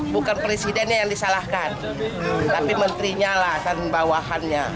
bukan presidennya yang disalahkan tapi menterinya lah yang bawahannya